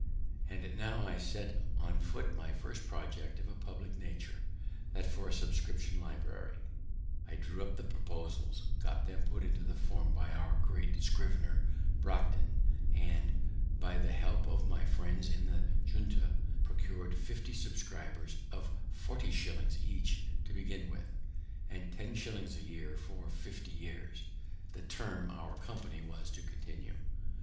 And now I set on foot my first project of a public nature, that for a subscription library. I drew up the proposals, got them put into form by our great scrivener, Brockden, and, by the help of my friends in the Junto, procured fifty subscribers of forty shillings each to begin with, and ten shillings a year for fifty years, the term our company was to continue.